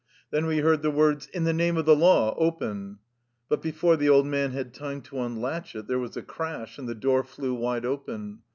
Then we heard the words, " In the name of the law : open !" But before the old man had time to unlatch it, there was a crash, and the door flew wide open.